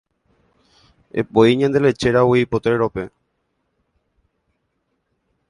Epoi ñande lechéragui potrero-pe.